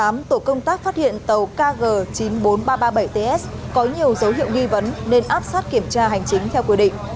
tổ công tác phát hiện tàu kg chín mươi bốn nghìn ba trăm ba mươi bảy ts có nhiều dấu hiệu nghi vấn nên áp sát kiểm tra hành chính theo quy định